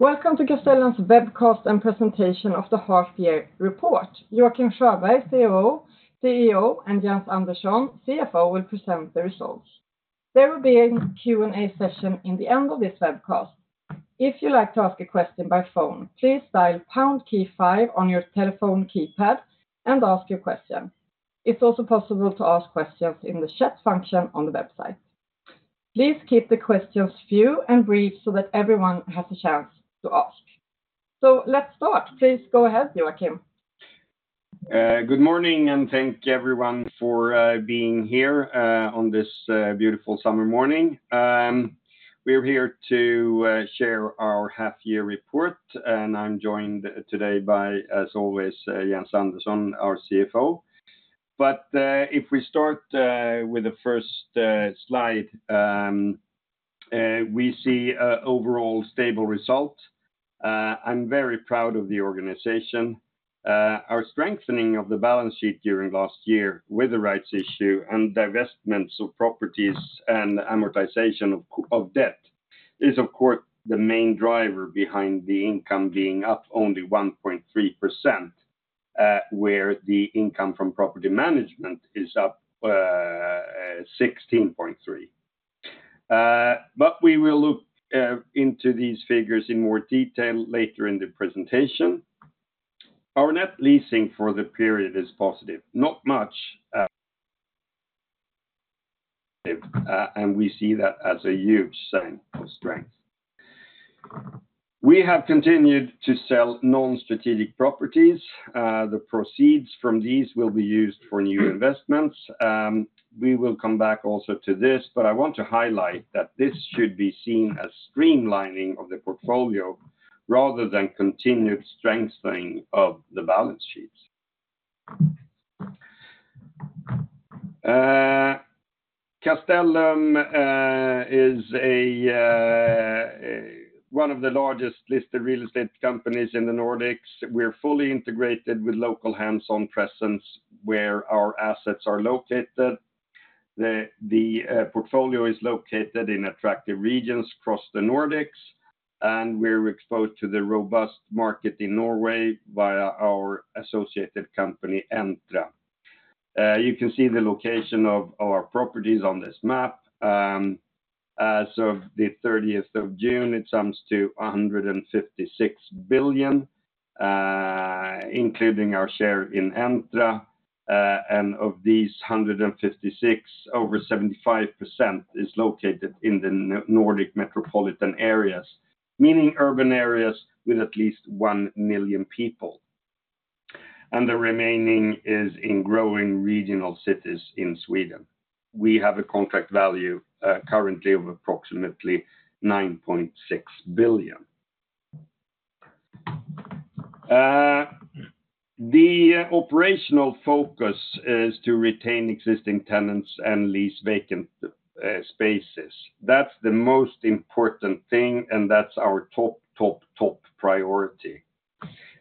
Welcome to Castellum's webcast and presentation of the half year report. Joacim Sjöberg, COO- CEO, and Jens Andersson, CFO, will present the results. There will be a Q&A session in the end of this webcast. If you'd like to ask a question by phone, please dial pound key five on your telephone keypad and ask your question. It's also possible to ask questions in the chat function on the website. Please keep the questions few and brief so that everyone has a chance to ask. Let's start. Please go ahead, Joacim. Good morning, and thank you, everyone, for being here on this beautiful summer morning. We are here to share our half year report, and I'm joined today by, as always, Jens Andersson, our CFO. But if we start with the first slide, we see an overall stable result. I'm very proud of the organization. Our strengthening of the balance sheet during last year with the rights issue and divestments of properties and amortization of debt is, of course, the main driver behind the income being up only 1.3%, where the income from property management is up 16.3. But we will look into these figures in more detail later in the presentation. Our net leasing for the period is positive, not much, and we see that as a huge sign of strength. We have continued to sell non-strategic properties. The proceeds from these will be used for new investments. We will come back also to this, but I want to highlight that this should be seen as streamlining of the portfolio rather than continued strengthening of the balance sheets. Castellum is one of the largest listed real estate companies in the Nordics. We're fully integrated with local hands-on presence where our assets are located. The portfolio is located in attractive regions across the Nordics, and we're exposed to the robust market in Norway via our associated company, Entra. You can see the location of our properties on this map. As of the 30th of June, it sums to 156 billion, including our share in Entra. And of these 156, over 75% is located in the Nordic metropolitan areas, meaning urban areas with at least 1 million people, and the remaining is in growing regional cities in Sweden. We have a contract value, currently of approximately 9.6 billion. The operational focus is to retain existing tenants and lease vacant spaces. That's the most important thing, and that's our top, top, top priority.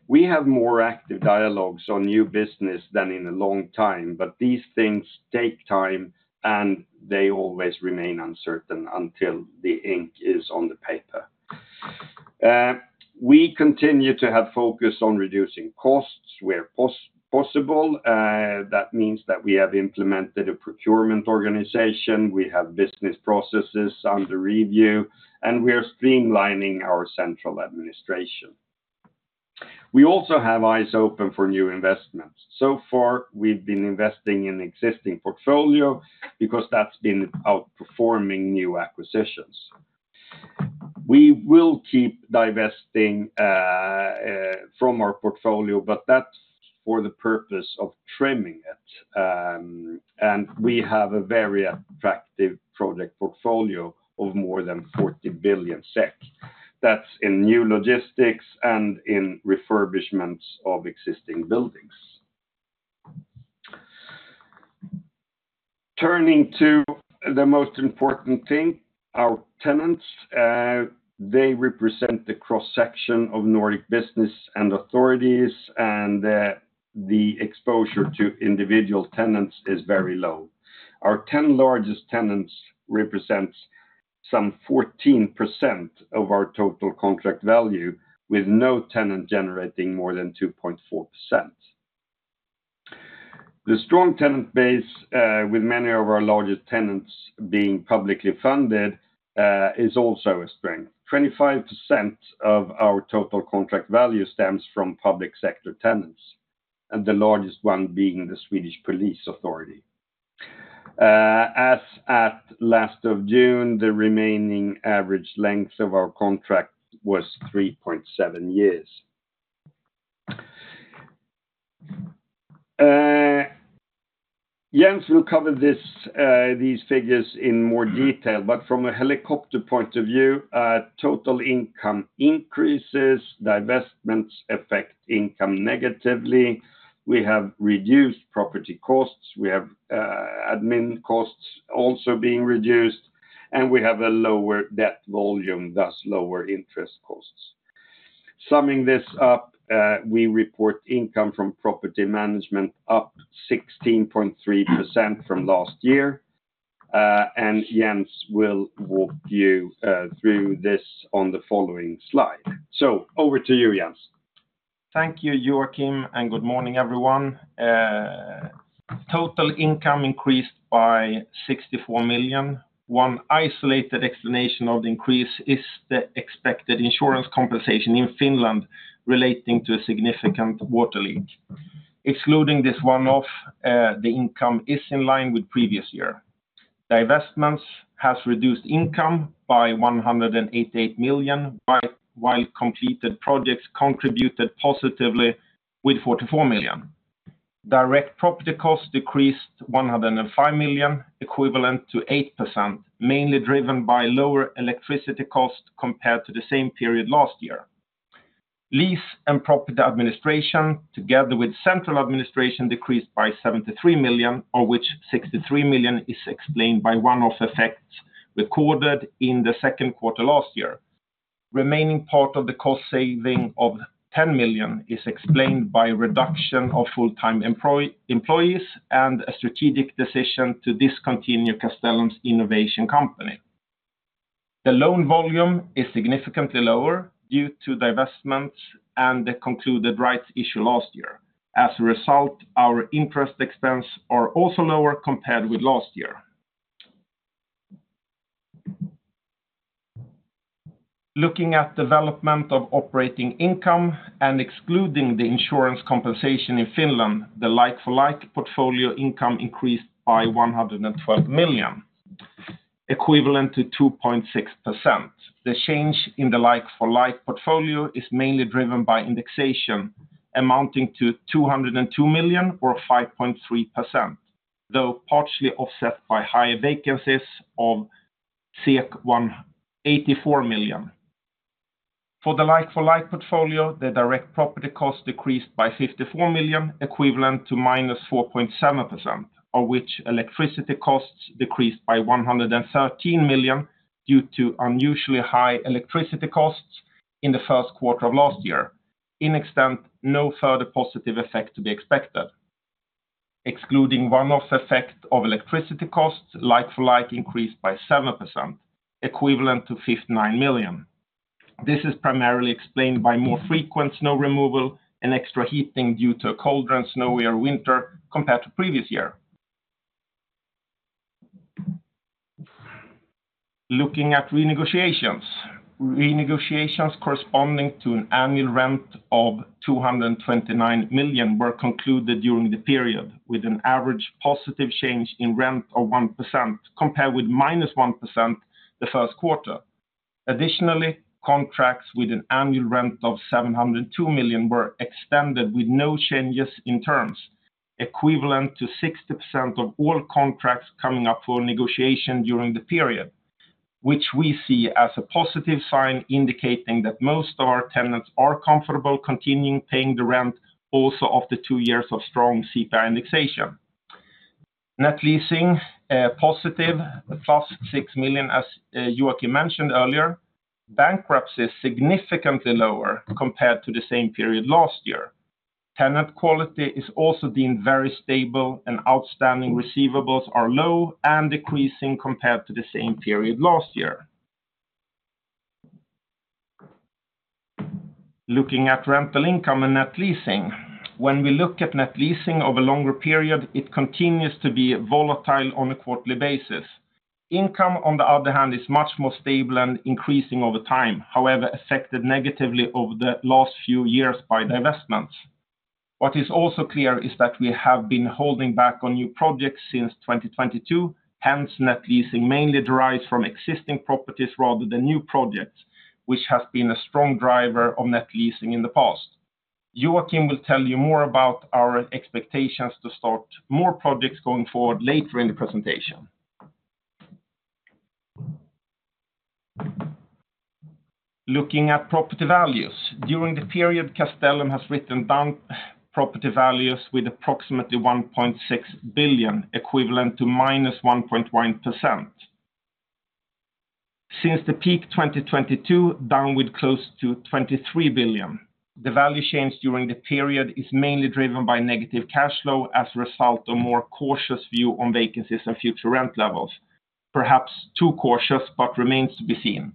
We have more active dialogues on new business than in a long time, but these things take time, and they always remain uncertain until the ink is on the paper. We continue to have focus on reducing costs where possible. That means that we have implemented a procurement organization, we have business processes under review, and we are streamlining our central administration. We also have eyes open for new investments. So far, we've been investing in existing portfolio because that's been outperforming new acquisitions. We will keep divesting from our portfolio, but that's for the purpose of trimming it. We have a very attractive project portfolio of more than 40 billion SEK. That's in new logistics and in refurbishments of existing buildings. Turning to the most important thing, our tenants, they represent the cross-section of Nordic business and authorities, and the exposure to individual tenants is very low. Our 10 largest tenants represent some 14% of our total contract value, with no tenant generating more than 2.4%. The strong tenant base, with many of our largest tenants being publicly funded, is also a strength. 25% of our total contract value stems from public sector tenants, and the largest one being the Swedish Police Authority. As at end of June, the remaining average length of our contract was 3.7 years. Jens will cover this, these figures in more detail, but from a helicopter point of view, total income increases, divestments affect income negatively. We have reduced property costs, we have, admin costs also being reduced, and we have a lower debt volume, thus lower interest costs. Summing this up, we report income from property management up 16.3% from last year, and Jens will walk you through this on the following slide. So over to you, Jens. Thank you, Joacim, and good morning, everyone. Total income increased by 64 million. One isolated explanation of the increase is the expected insurance compensation in Finland relating to a significant water leak. Excluding this one-off, the income is in line with previous year. Divestments has reduced income by 188 million, while completed projects contributed positively with 44 million. Direct property costs decreased 105 million, equivalent to 8%, mainly driven by lower electricity costs compared to the same period last year. Lease and property administration, together with central administration, decreased by 73 million, of which 63 million is explained by one-off effects recorded in the second quarter last year. Remaining part of the cost saving of 10 million is explained by reduction of full-time employees and a strategic decision to discontinue Castellum's innovation company. The loan volume is significantly lower due to divestments and the concluded rights issue last year. As a result, our interest expense are also lower compared with last year. Looking at development of operating income and excluding the insurance compensation in Finland, the like-for-like portfolio income increased by 112 million, equivalent to 2.6%. The change in the like-for-like portfolio is mainly driven by indexation, amounting to 202 million or 5.3%, though partially offset by higher vacancies of 184 million. For the like-for-like portfolio, the direct property cost decreased by 54 million, equivalent to -4.7%, of which electricity costs decreased by 113 million due to unusually high electricity costs in the first quarter of last year. In extent, no further positive effect to be expected. Excluding one-off effect of electricity costs, like-for-like increased by 7%, equivalent to 59 million. This is primarily explained by more frequent snow removal and extra heating due to a colder and snowier winter compared to previous year. Looking at renegotiations. Renegotiations corresponding to an annual rent of 229 million were concluded during the period, with an average positive change in rent of 1%, compared with -1% the first quarter. Additionally, contracts with an annual rent of 702 million were extended with no changes in terms, equivalent to 60% of all contracts coming up for negotiation during the period, which we see as a positive sign indicating that most of our tenants are comfortable continuing paying the rent also after two years of strong CPI indexation. Net leasing positive, +6 million, as Joacim mentioned earlier. Bankruptcy is significantly lower compared to the same period last year. Tenant quality is also deemed very stable, and outstanding receivables are low and decreasing compared to the same period last year. Looking at rental income and net leasing. When we look at net leasing over longer period, it continues to be volatile on a quarterly basis. Income, on the other hand, is much more stable and increasing over time, however, affected negatively over the last few years by divestments. What is also clear is that we have been holding back on new projects since 2022, hence, net leasing mainly derives from existing properties rather than new projects, which has been a strong driver of net leasing in the past. Joacim will tell you more about our expectations to start more projects going forward later in the presentation. Looking at property values. During the period, Castellum has written down property values with approximately 1.6 billion, equivalent to -1.1%. Since the peak 2022, downward close to 23 billion, the value change during the period is mainly driven by negative cash flow as a result of more cautious view on vacancies and future rent levels, perhaps too cautious, but remains to be seen.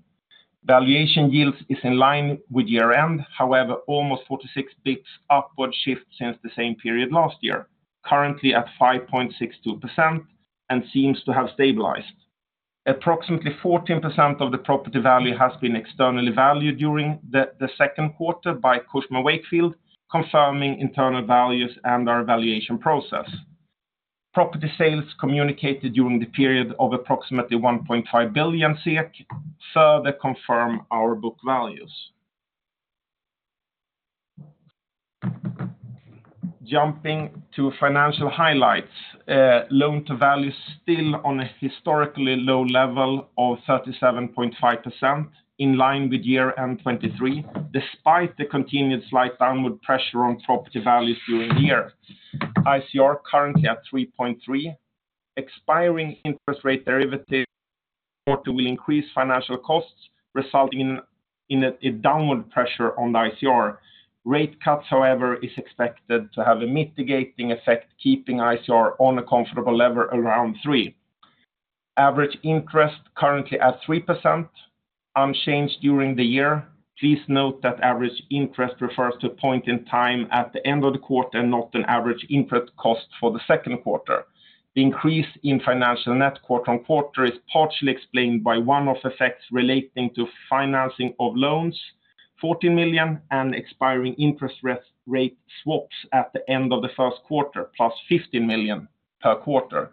Valuation yields is in line with year-end, however, almost 46 bps upward shift since the same period last year, currently at 5.62% and seems to have stabilized. Approximately 14% of the property value has been externally valued during the second quarter by Cushman & Wakefield, confirming internal values and our valuation process. Property sales communicated during the period of approximately 1.5 billion further confirm our book values. Jumping to financial highlights, loan to value still on a historically low level of 37.5%, in line with year-end 2023, despite the continued slight downward pressure on property values during the year. ICR currently at 3.3. Expiring interest rate derivatives Q2 will increase financial costs, resulting in a downward pressure on the ICR. Rate cuts, however, is expected to have a mitigating effect, keeping ICR on a comfortable level around 3. Average interest currently at 3%, unchanged during the year. Please note that average interest refers to a point in time at the end of the quarter, not an average interest cost for the second quarter. The increase in financial net quarter-on-quarter is partially explained by one-off effects relating to financing of loans, 40 million, and expiring interest rate swaps at the end of the first quarter, +50 million per quarter.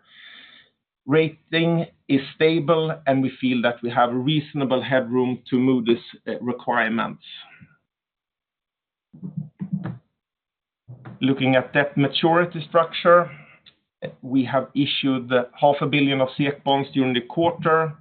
Rating is stable, and we feel that we have reasonable headroom to move this, requirements. Looking at debt maturity structure, we have issued 0.5 billion of SEK bonds during the quarter,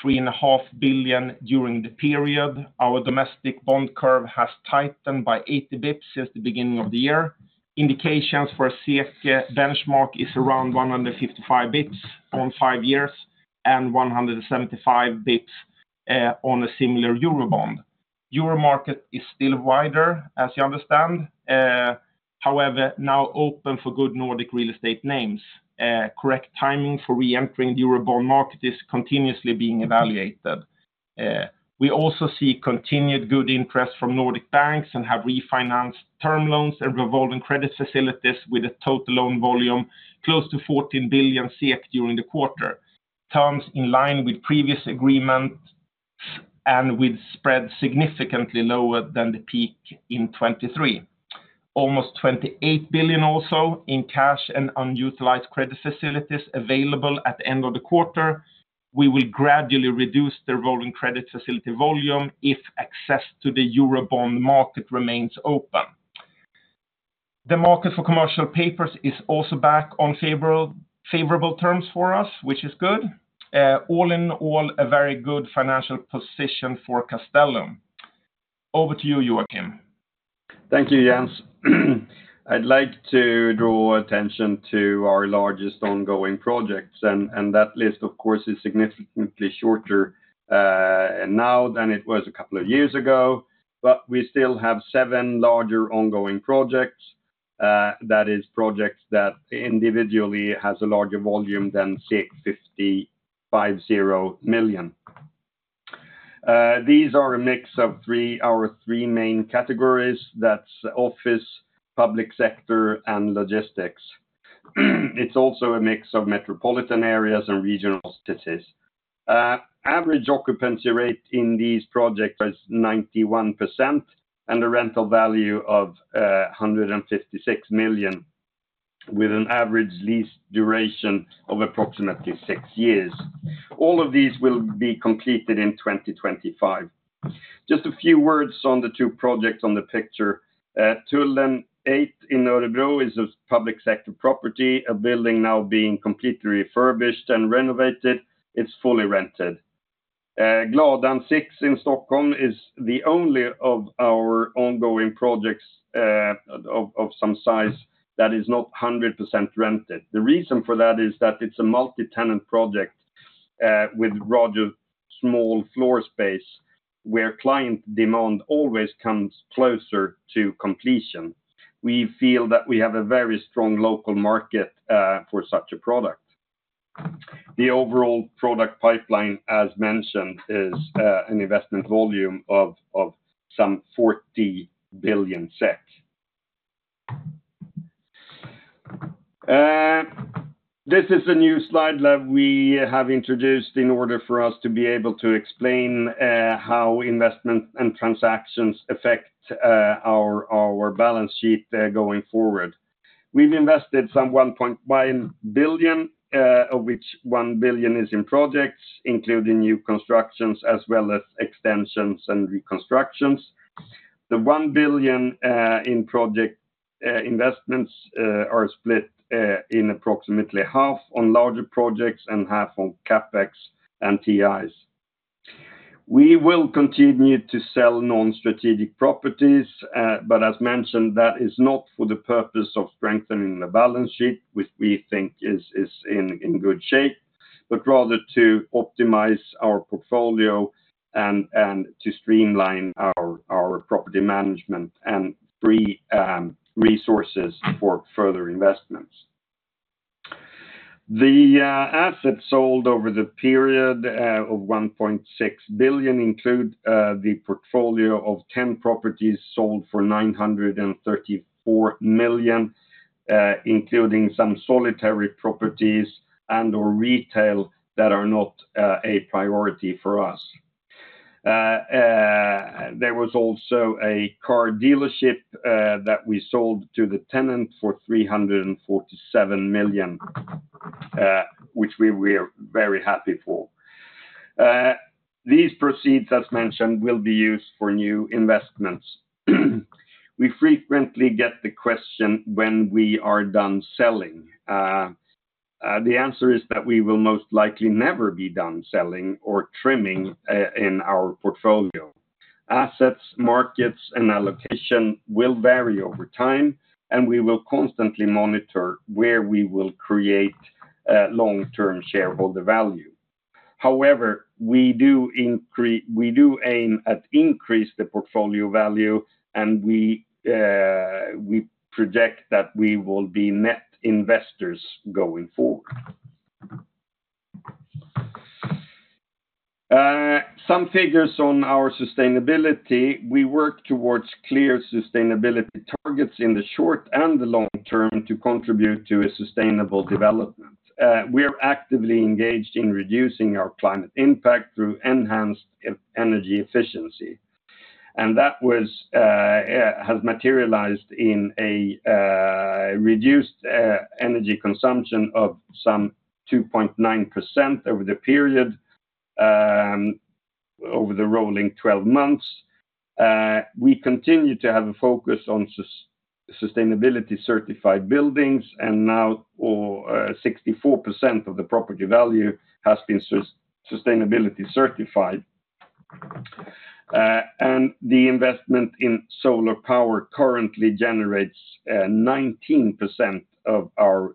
three and a half billion during the period. Our domestic bond curve has tightened by 80 bps since the beginning of the year. Indications for a SEK benchmark is around 155 bps on five years and 175 bps, on a similar Eurobond. Euro market is still wider, as you understand, however, now open for good Nordic real estate names. Correct timing for reentering the Eurobond market is continuously being evaluated. We also see continued good interest from Nordic banks and have refinanced term loans and revolving credit facilities with a total loan volume close to 14 billion SEK during the quarter. Terms in line with previous agreements and with spread significantly lower than the peak in 2023. Almost 28 billion also in cash and unutilized credit facilities available at the end of the quarter. We will gradually reduce the revolving credit facility volume if access to the Eurobond market remains open. The market for commercial papers is also back on favorable, favorable terms for us, which is good. All in all, a very good financial position for Castellum. Over to you, Joacim. Thank you, Jens. I'd like to draw attention to our largest ongoing projects, and that list, of course, is significantly shorter now than it was a couple of years ago, but we still have seven larger ongoing projects. That is projects that individually has a larger volume than 55 million. These are a mix of three, our three main categories, that's office, public sector, and logistics. It's also a mix of metropolitan areas and regional cities. Average occupancy rate in these projects is 91% and a rental value of 156 million, with an average lease duration of approximately six years. All of these will be completed in 2025. Just a few words on the two projects on the picture. Tullen 8 in Örebro is a public sector property, a building now being completely refurbished and renovated. It's fully rented. Gladan 6 in Stockholm is the only of our ongoing projects of some size that is not 100% rented. The reason for that is that it's a multi-tenant project with rather small floor space, where client demand always comes closer to completion. We feel that we have a very strong local market for such a product. The overall product pipeline, as mentioned, is an investment volume of some 40 billion SEK. This is a new slide that we have introduced in order for us to be able to explain how investment and transactions affect our balance sheet going forward. We've invested some 1.1 billion, of which 1 billion is in projects, including new constructions as well as extensions and reconstructions. The 1 billion in project investments are split in approximately half on larger projects and half on CapEx and TIs. We will continue to sell non-strategic properties, but as mentioned, that is not for the purpose of strengthening the balance sheet, which we think is in good shape, but rather to optimize our portfolio and to streamline our property management and free resources for further investments. The assets sold over the period of 1.6 billion include the portfolio of 10 properties sold for 934 million, including some solitary properties and/or retail that are not a priority for us. There was also a car dealership that we sold to the tenant for 347 million, which we were very happy for. These proceeds, as mentioned, will be used for new investments. We frequently get the question when we are done selling. The answer is that we will most likely never be done selling or trimming in our portfolio. Assets, markets, and allocation will vary over time, and we will constantly monitor where we will create long-term shareholder value. However, we do aim at increase the portfolio value, and we project that we will be net investors going forward. Some figures on our sustainability. We work towards clear sustainability targets in the short and the long term to contribute to a sustainable development. We are actively engaged in reducing our climate impact through enhanced energy efficiency. And that has materialized in a reduced energy consumption of some 2.9% over the period, over the rolling twelve months. We continue to have a focus on sustainability certified buildings, and now 64% of the property value has been sustainability certified. And the investment in solar power currently generates 19% of our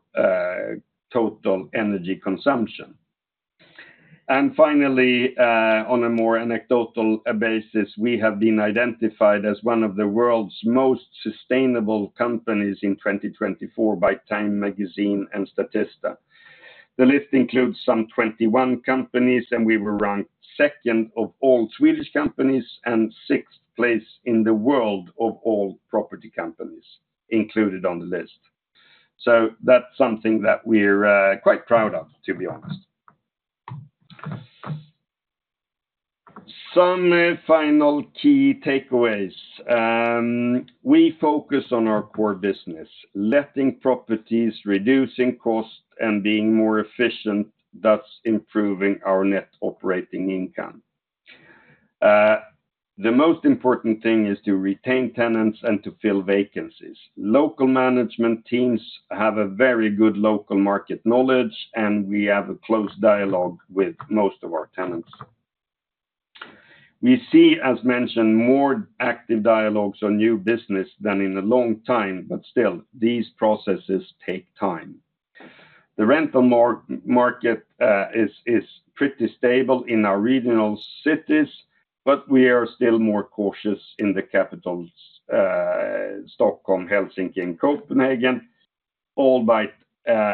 total energy consumption. And finally, on a more anecdotal basis, we have been identified as one of the world's most sustainable companies in 2024 by TIME Magazine and Statista. The list includes some 21 companies, and we were ranked second of all Swedish companies and sixth place in the world of all property companies included on the list. So that's something that we're quite proud of, to be honest. Some final key takeaways. We focus on our core business, letting properties, reducing cost, and being more efficient, thus improving our net operating income. The most important thing is to retain tenants and to fill vacancies. Local management teams have a very good local market knowledge, and we have a close dialogue with most of our tenants. We see, as mentioned, more active dialogues on new business than in a long time, but still, these processes take time. The rental market is pretty stable in our regional cities, but we are still more cautious in the capitals, Stockholm, Helsinki, and Copenhagen, albeit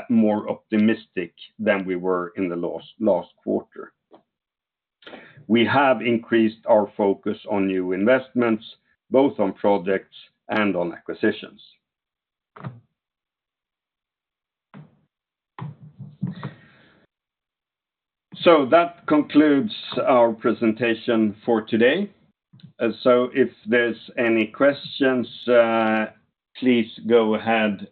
more optimistic than we were in the last quarter. We have increased our focus on new investments, both on projects and on acquisitions. That concludes our presentation for today. If there's any questions, please go ahead.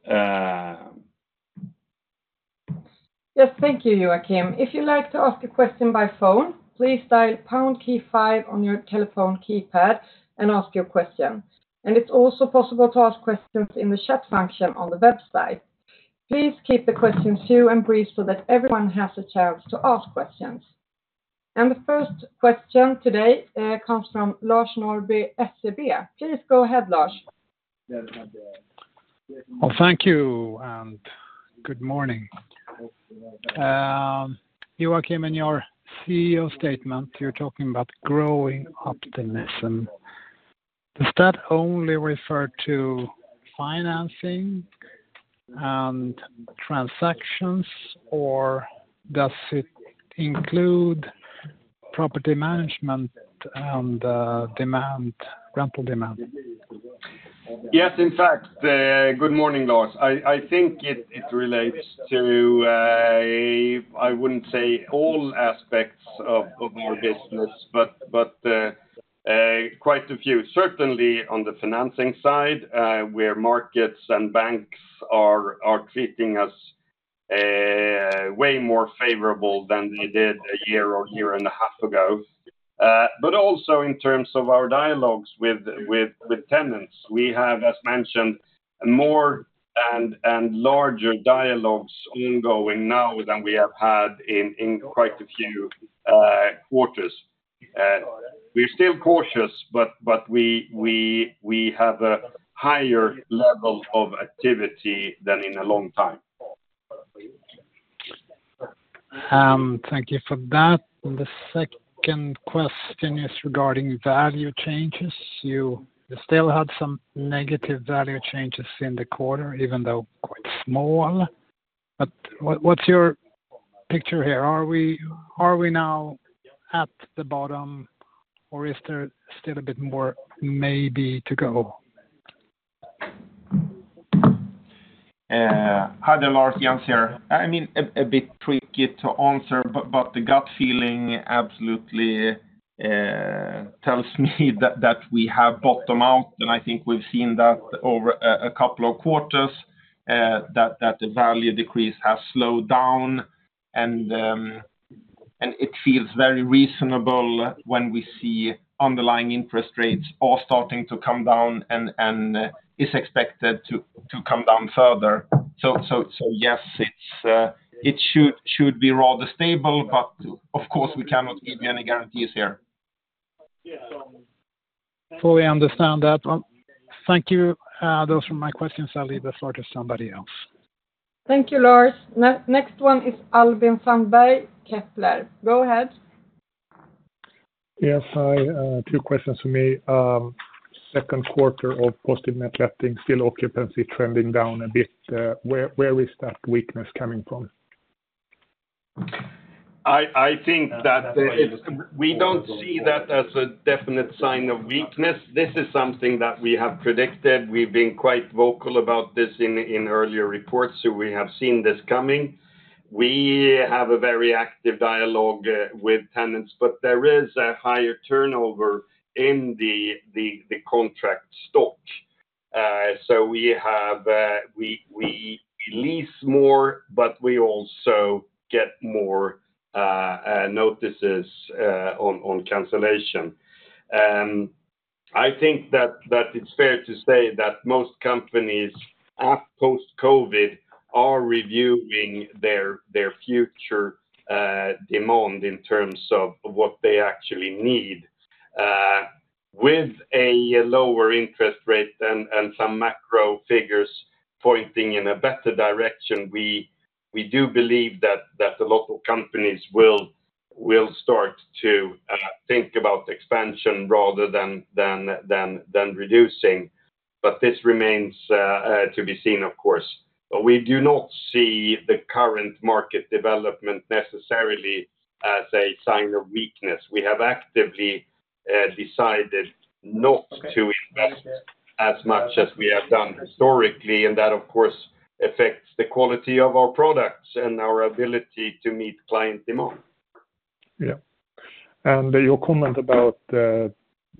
Yes, thank you, Joacim. If you'd like to ask a question by phone, please dial pound key five on your telephone keypad and ask your question. It's also possible to ask questions in the chat function on the website. Please keep the questions few and brief so that everyone has a chance to ask questions. The first question today comes from Lars Norrby, SEB. Please go ahead, Lars. Well, thank you, and good morning. Joacim, in your CEO statement, you're talking about growing optimism. Does that only refer to financing and transactions, or does it include property management and demand, rental demand? Yes, in fact, good morning, Lars. I think it relates to. I wouldn't say all aspects of our business, but quite a few, certainly on the financing side, where markets and banks are treating us way more favorable than they did a year or year and a half ago. But also in terms of our dialogues with tenants. We have, as mentioned, more and larger dialogues ongoing now than we have had in quite a few quarters. We're still cautious, but we have a higher level of activity than in a long time. Thank you for that. And the second question is regarding value changes. You still had some negative value changes in the quarter, even though quite small. But what's your picture here? Are we now at the bottom, or is there still a bit more, maybe, to go? Hi there, Lars. Jens here. I mean, a bit tricky to answer, but the gut feeling absolutely tells me that we have bottomed out. And I think we've seen that over a couple of quarters that the value decrease has slowed down. And it feels very reasonable when we see underlying interest rates all starting to come down and is expected to come down further. So yes, it should be rather stable, but of course, we cannot give you any guarantees here.... Fully understand that. Thank you. Those were my questions. I'll leave the floor to somebody else. Thank you, Lars. Next one is Albin Sandberg, Kepler. Go ahead. Yes, hi. Two questions for me. Second quarter of positive net letting still occupancy trending down a bit, where is that weakness coming from? I think that it. We don't see that as a definite sign of weakness. This is something that we have predicted. We've been quite vocal about this in earlier reports, so we have seen this coming. We have a very active dialogue with tenants, but there is a higher turnover in the contract stock. So we have, we lease more, but we also get more notices on cancellation. I think that it's fair to say that most companies at post-COVID are reviewing their future demand in terms of what they actually need. With a lower interest rate and some macro figures pointing in a better direction, we do believe that the local companies will start to think about expansion rather than reducing. But this remains to be seen, of course. But we do not see the current market development necessarily as a sign of weakness. We have actively decided not to invest as much as we have done historically, and that, of course, affects the quality of our products and our ability to meet client demand. Yeah. And your comment about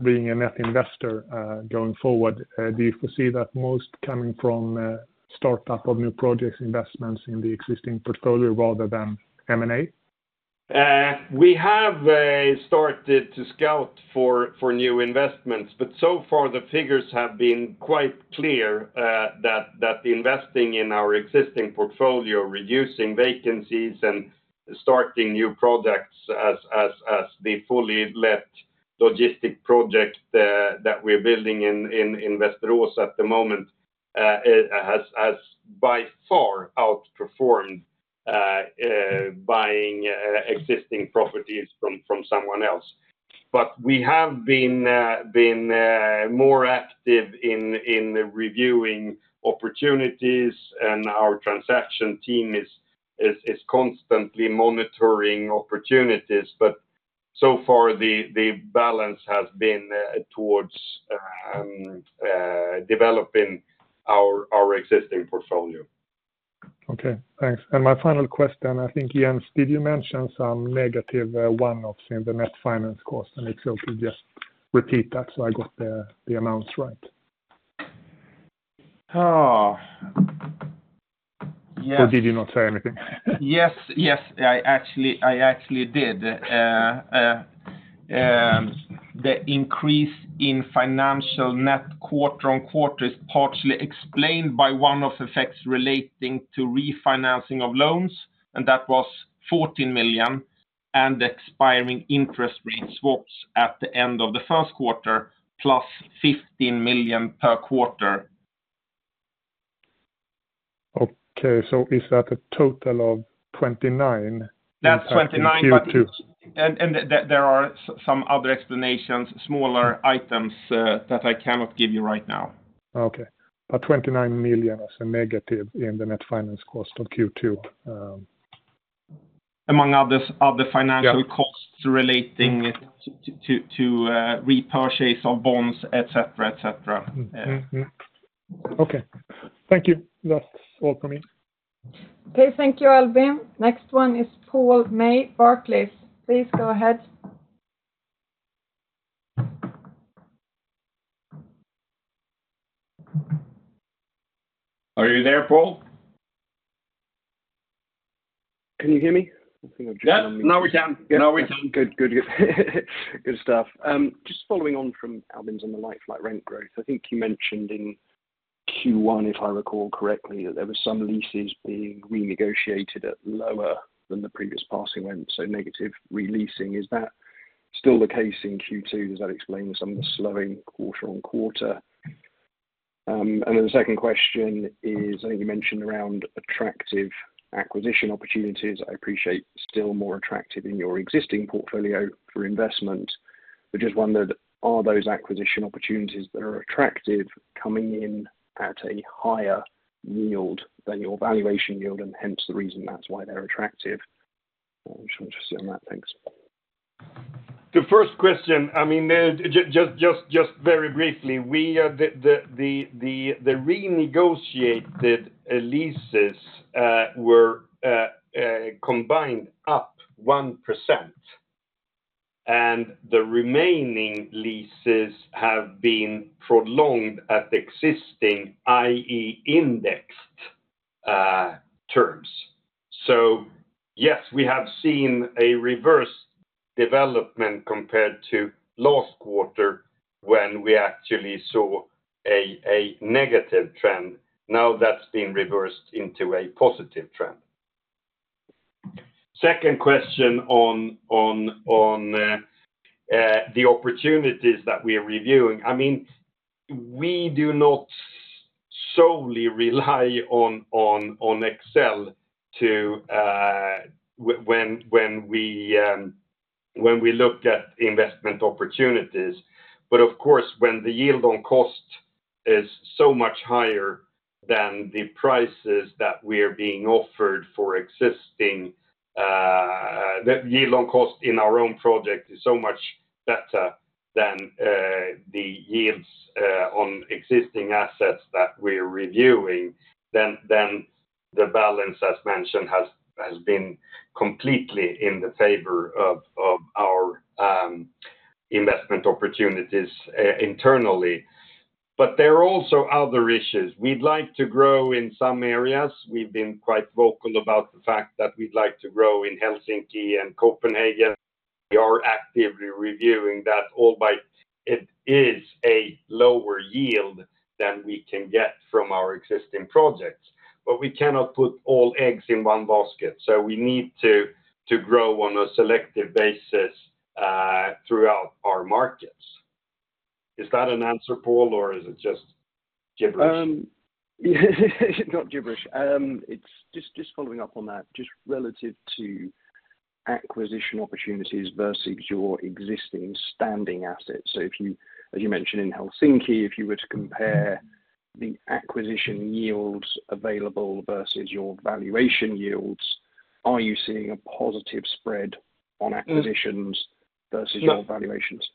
being a net investor going forward, do you foresee that most coming from startup of new projects, investments in the existing portfolio rather than M&A? We have started to scout for new investments, but so far the figures have been quite clear that investing in our existing portfolio, reducing vacancies, and starting new projects as the fully let logistics project that we're building in Västerås at the moment, it has by far outperformed buying existing properties from someone else. But we have been more active in reviewing opportunities, and our transaction team is constantly monitoring opportunities. But so far, the balance has been towards developing our existing portfolio. Okay, thanks. And my final question, I think, Jens, did you mention some negative one-offs in the net finance cost? And if so, could you just repeat that, so I got the amounts right. Ah, yes. Or did you not say anything? Yes, yes, I actually, I actually did. The increase in financial net quarter-over-quarter is partially explained by one-off effects relating to refinancing of loans, and that was 14 million, and expiring interest rate swaps at the end of the first quarter, plus 15 million per quarter. Okay, so is that a total of 29? That's twenty-nine. Q2. There are some other explanations, smaller items, that I cannot give you right now. Okay. But 29 million is a negative in the net finance cost of Q2, Among other financial- Yeah... costs relating to repurchase of bonds, et cetera, et cetera. Mm, mm, mm. Okay. Thank you. That's all for me. Okay, thank you, Albin. Next one is Paul May, Barclays. Please go ahead. Are you there, Paul? Can you hear me? Yeah, now we can. Now we can. Good, good, good. Good stuff. Just following on from Albin's on the like-for-like rent growth. I think you mentioned in Q1, if I recall correctly, that there were some leases being renegotiated at lower than the previous passing rent, so negative re-leasing. Is that still the case in Q2? Does that explain some of the slowing quarter-on-quarter? And then the second question is, I think you mentioned around attractive acquisition opportunities. I appreciate still more attractive in your existing portfolio for investment. But just wondered, are those acquisition opportunities that are attractive coming in at a higher yield than your valuation yield, and hence the reason that's why they're attractive? I'm just interested in that. Thanks. The first question, I mean, just very briefly, the renegotiated leases were combined up 1%, and the remaining leases have been prolonged at the existing, i.e., indexed terms. So yes, we have seen a reverse development compared to last quarter, when we actually saw a negative trend. Now, that's been reversed into a positive trend. Second question on the opportunities that we are reviewing. I mean, we do not solely rely on Excel when we look at investment opportunities. But of course, when the yield on cost is so much higher than the prices that we are being offered for existing, the yield on cost in our own project is so much better than, the yields, on existing assets that we're reviewing, then the balance, as mentioned, has been completely in the favor of our investment opportunities, internally. But there are also other issues. We'd like to grow in some areas. We've been quite vocal about the fact that we'd like to grow in Helsinki and Copenhagen. We are actively reviewing that, albeit it is a lower yield than we can get from our existing projects. But we cannot put all eggs in one basket, so we need to grow on a selective basis, throughout our markets. Is that an answer, Paul, or is it just gibberish? Not gibberish. It's just following up on that, just relative to acquisition opportunities versus your existing standing assets. So if you, as you mentioned, in Helsinki, if you were to compare the acquisition yields available versus your valuation yields, are you seeing a positive spread on acquisitions- N- -versus your valuations?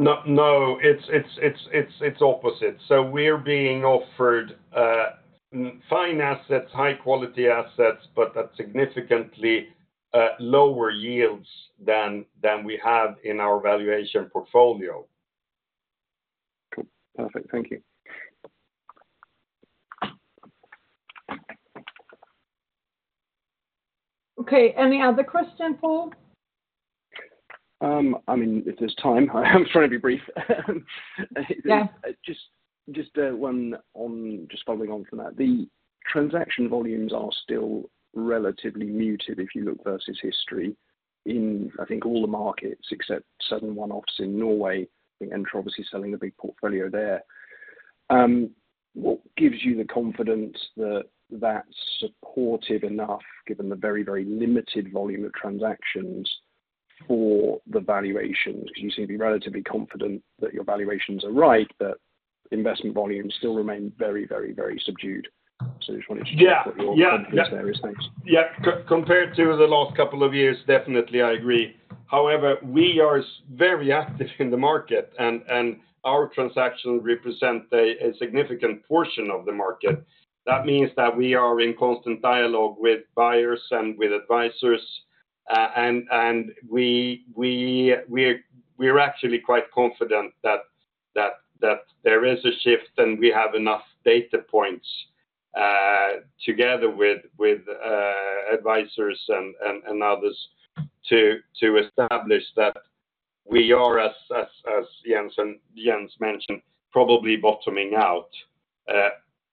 No, no, it's opposite. So we're being offered fine assets, high quality assets, but at significantly lower yields than we have in our valuation portfolio. Cool. Perfect. Thank you. Okay, any other question, Paul? I mean, if there's time, I'm trying to be brief. Yeah. Just following on from that, the transaction volumes are still relatively muted if you look versus history in, I think, all the markets except certain one office in Norway, and you're obviously selling a big portfolio there. What gives you the confidence that that's supportive enough, given the very, very limited volume of transactions for the valuations? Because you seem to be relatively confident that your valuations are right, but investment volumes still remain very, very, very subdued. So just wanted to check what your- Yeah. thoughts there is. Thanks. Yeah. Compared to the last couple of years, definitely, I agree. However, we are very active in the market, and our transactions represent a significant portion of the market. That means that we are in constant dialogue with buyers and with advisors, and we actually quite confident that there is a shift, and we have enough data points together with advisors and others to establish that we are, as Jens mentioned, probably bottoming out.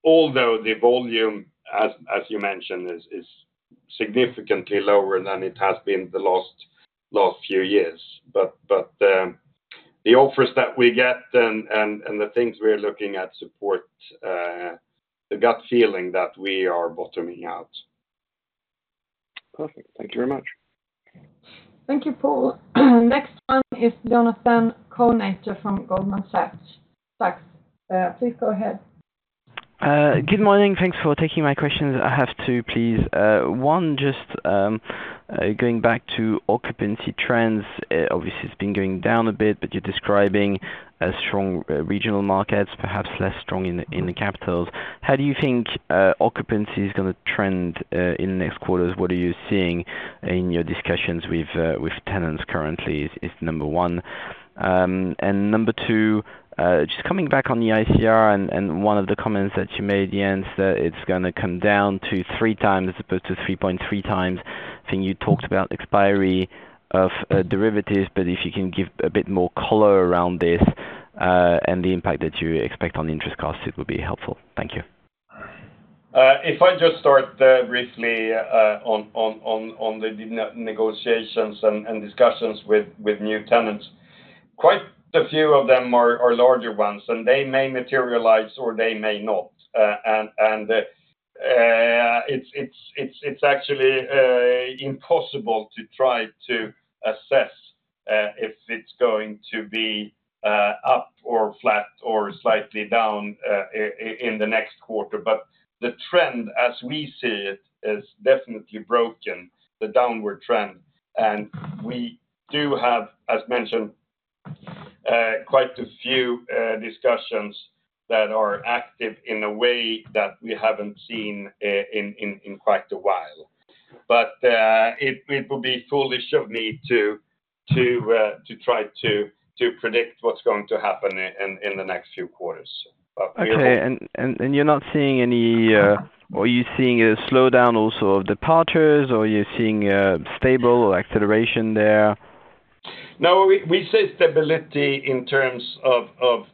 Although the volume, as you mentioned, is significantly lower than it has been the last few years. But the offers that we get and the things we're looking at support the gut feeling that we are bottoming out. Perfect. Thank you very much. Thank you, Paul. Next one is Jonathan Kownator from Goldman Sachs. Please go ahead. Good morning. Thanks for taking my questions. I have two, please. One, just going back to occupancy trends, obviously, it's been going down a bit, but you're describing strong regional markets, perhaps less strong in the capitals. How do you think occupancy is going to trend in the next quarters? What are you seeing in your discussions with tenants currently is number one. And number two, just coming back on the ICR and one of the comments that you made, Jens, that it's gonna come down to 3 times as opposed to 3.3 times. Think you talked about expiry of derivatives, but if you can give a bit more color around this and the impact that you expect on interest costs, it would be helpful. Thank you. If I just start briefly on the negotiations and discussions with new tenants. Quite a few of them are larger ones, and they may materialize or they may not. It's actually impossible to try to assess if it's going to be up or flat or slightly down in the next quarter. But the trend, as we see it, is definitely broken, the downward trend. And we do have, as mentioned, quite a few discussions that are active in a way that we haven't seen in quite a while. But it would be foolish of me to try to predict what's going to happen in the next few quarters. But we hope- Okay, and you're not seeing any. Or are you seeing a slowdown also of departures, or are you seeing a stable or acceleration there?... No, we say stability in terms of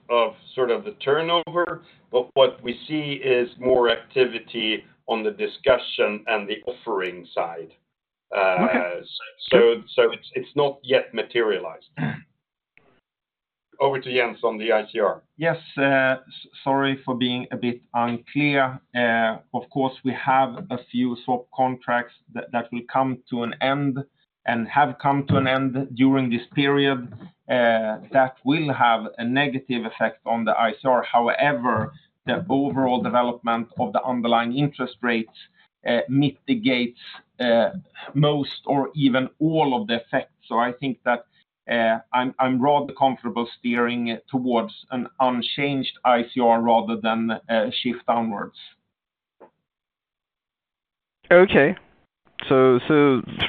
sort of the turnover, but what we see is more activity on the discussion and the offering side. Okay. So, it's not yet materialized. Over to Jens on the ICR. Yes, sorry for being a bit unclear. Of course, we have a few swap contracts that will come to an end and have come to an end during this period that will have a negative effect on the ICR. However, the overall development of the underlying interest rates mitigates most or even all of the effects. So I think that I'm rather comfortable steering it towards an unchanged ICR rather than shift downwards. Okay. So, so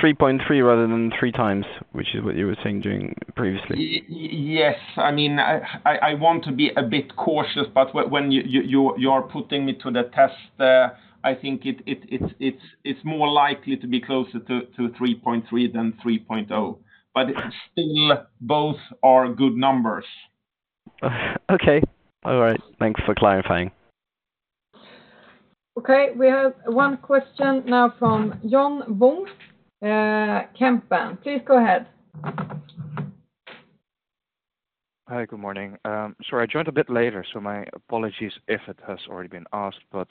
3.3 rather than 3 times, which is what you were saying during previously? Yes. I mean, I want to be a bit cautious, but when you're putting me to the test, I think it's more likely to be closer to 3.3 than 3.0, but still, both are good numbers. Okay. All right. Thanks for clarifying. Okay. We have one question now from John Vuong, Kempen. Please go ahead. Hi, good morning. Sorry, I joined a bit later, so my apologies if it has already been asked. But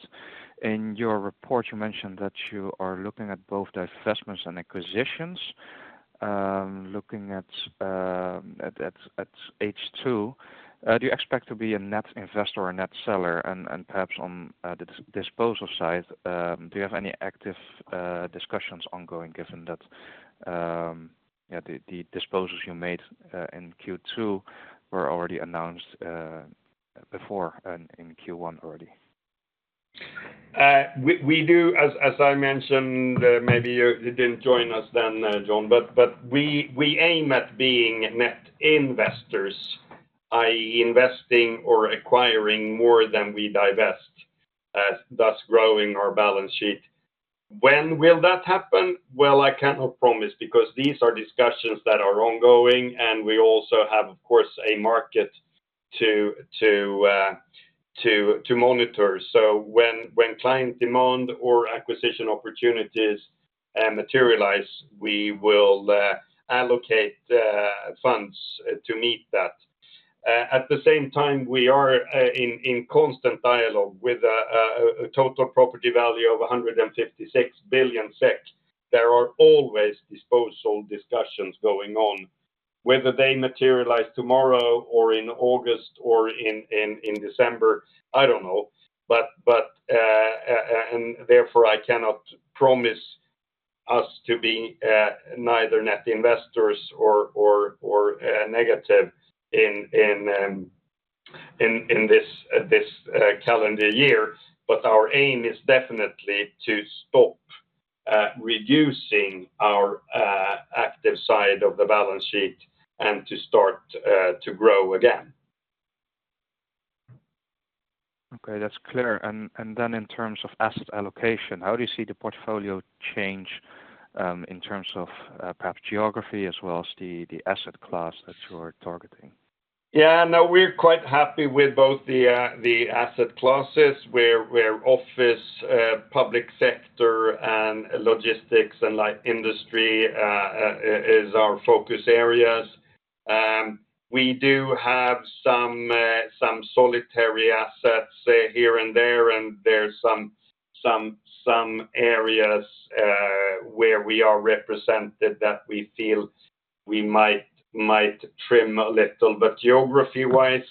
in your report, you mentioned that you are looking at both the investments and acquisitions, looking at H2. Do you expect to be a net investor or a net seller? And perhaps on the disposal side, do you have any active discussions ongoing, given that the disposals you made in Q2 were already announced before and in Q1 already? We do, as I mentioned, maybe you didn't join us then, John, but we aim at being net investors, i.e., investing or acquiring more than we divest, as thus growing our balance sheet. When will that happen? Well, I cannot promise because these are discussions that are ongoing, and we also have, of course, a market to monitor. So when client demand or acquisition opportunities materialize, we will allocate funds to meet that. At the same time, we are in constant dialogue with a total property value of 156 billion SEK. There are always disposal discussions going on. Whether they materialize tomorrow or in August or in December, I don't know. But and therefore, I cannot promise us to be neither net investors or negative in this calendar year. But our aim is definitely to stop reducing our active side of the balance sheet and to start to grow again. Okay. That's clear. And then in terms of asset allocation, how do you see the portfolio change in terms of perhaps geography as well as the asset class that you are targeting? Yeah, no, we're quite happy with both the asset classes, where office, public sector, and logistics, and light industry is our focus areas. We do have some solitary assets, say, here and there, and there's some areas where we are represented that we feel we might trim a little. But geography-wise,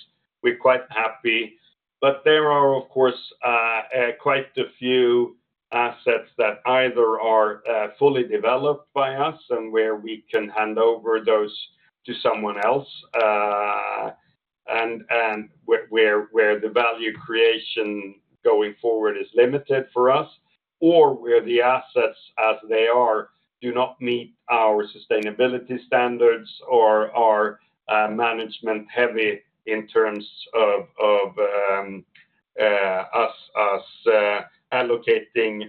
we're quite happy. But there are, of course, quite a few assets that either are fully developed by us and where we can hand over those to someone else, and where the value creation going forward is limited for us, or where the assets, as they are, do not meet our sustainability standards or are management heavy in terms of us allocating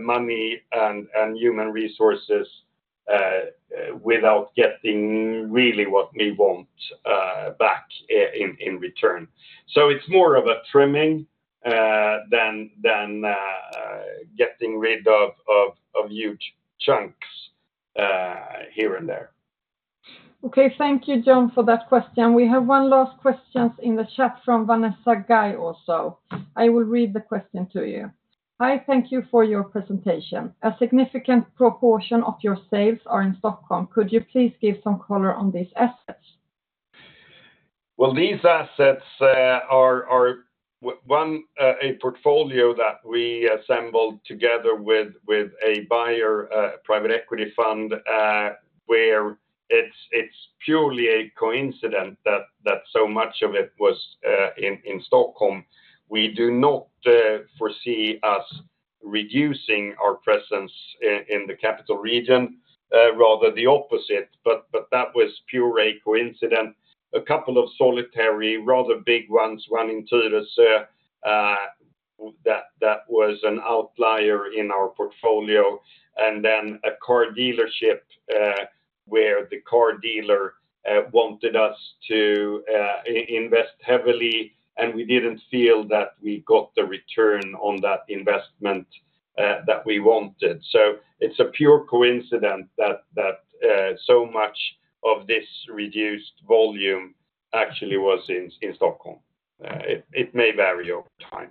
money and human resources without getting really what we want back in return. So it's more of a trimming than getting rid of huge chunks here and there. Okay. Thank you, John, for that question. We have one last question in the chat from Vanessa Guy, also. I will read the question to you. "I thank you for your presentation. A significant proportion of your sales are in Stockholm. Could you please give some color on these assets? Well, these assets are one, a portfolio that we assembled together with a buyer, private equity fund, where it's purely a coincidence that so much of it was in Stockholm. We do not foresee us reducing our presence in the capital region, rather the opposite, but that was purely a coincidence. A couple of solitary, rather big ones, one in Tyresö, that was an outlier in our portfolio, and then a car dealership, where the car dealer wanted us to invest heavily, and we didn't feel that we got the return on that investment that we wanted. So it's a pure coincidence that so much of this reduced volume actually was in Stockholm. It may vary over time.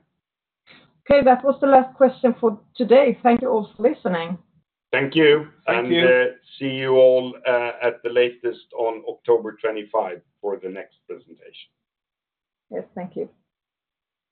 Okay. That was the last question for today. Thank you all for listening. Thank you. Thank you. See you all at the latest on October 25 for the next presentation. Yes, thank you.